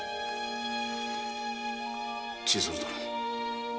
千鶴殿。